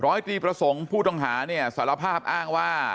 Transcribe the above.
ร้อยตรีประสงค์ผู้ต้องหาเนี่ยสารภาพอ้างว่า